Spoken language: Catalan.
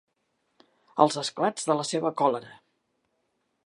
Els esclats de la seva còlera.